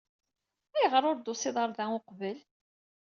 Ayɣer ur d-tusiḍ ɣer da uqbel?